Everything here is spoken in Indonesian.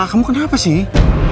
kamu kenapa sih